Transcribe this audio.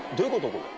これ。